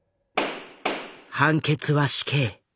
判決は死刑。